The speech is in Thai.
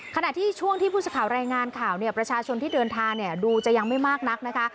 ขณะที่ช่วงที่ผู้สื่อข่าวรายงานข่าวเนี่ยประชาชนที่เดินทางเนี่ยดูจะยังไม่มากนักนะคะ